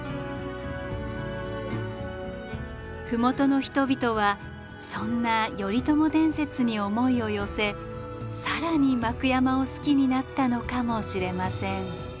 麓の人々はそんな頼朝伝説に思いを寄せ更に幕山を好きになったのかもしれません。